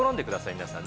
皆さん。